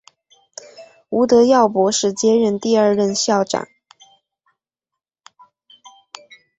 吴德耀博士接任第二任校长。